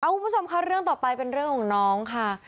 คุณผู้ชมค่ะเรื่องต่อไปเป็นเรื่องของน้องค่ะ